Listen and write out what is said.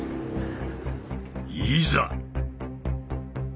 いざ！